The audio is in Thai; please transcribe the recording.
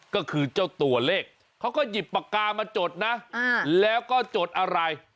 ก็คือเจ้าตัวเลขเขาก็หยิบปากกามาจดนะแล้วก็จดอะไร